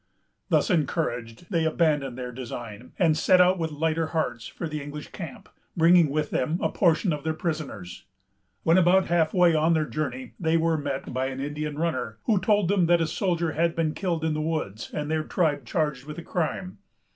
Thus encouraged, they abandoned their design, and set out with lighter hearts for the English camp, bringing with them a portion of their prisoners. When about half way on their journey, they were met by an Indian runner, who told them that a soldier had been killed in the woods, and their tribe charged with the crime.